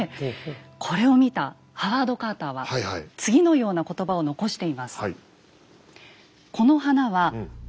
これを見たハワード・カーターは次のような言葉を残しています。